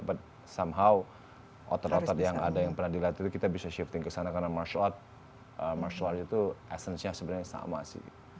but somehow otor otor yang ada yang pernah dilihat itu kita bisa shifting ke sana karena martial art itu essence nya sebenarnya sama sih